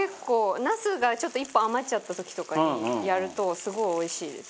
茄子が、ちょっと、１本余っちゃった時とかにやるとすごい、おいしいです。